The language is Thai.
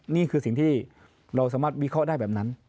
นี่คือสิ่งที่เราสามารถวิเคราะห์ได้แบบนั้น